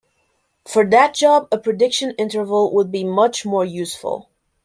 For that job, a prediction interval would be much more useful.